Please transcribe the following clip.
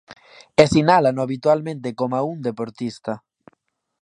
E sinálano habitualmente coma un deportista!